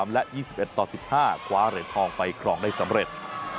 ๑๕๒๑๒๑๑๓และ๒๑๑๕ขวาเหรียญทองไปครองได้สำเร็จ